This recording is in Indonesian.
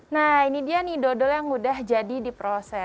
nah ini dia nih dodol yang udah habis